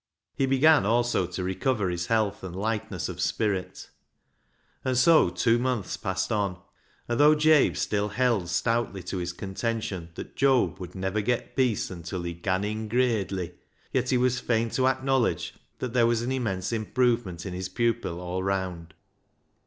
He began also to recover his health and lightness of spirit. And so two months passed on, and though Jabe still held stoutly to his contention that Job would never get peace until he " gan in gradely," yet he was fain to acknowledge that there was an immense improvement in his pupil all round.